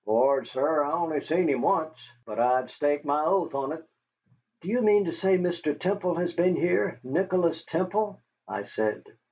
"Lord, sir, I only seen him once, but I'd stake my oath on it." "Do you mean to say Mr. Temple has been here Nicholas Temple?" I said.